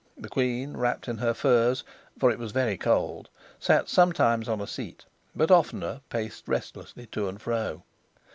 The queen, wrapped in her furs (for it was very cold), sat sometimes on a seat, but oftener paced restlessly to and fro.